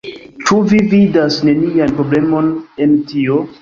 Ĉu vi vidas nenian problemon en tio?